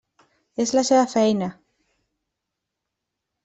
És la seva feina.